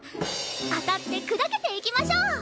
当たって砕けていきましょう！